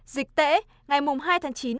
dịch tễ ngày hai tháng chín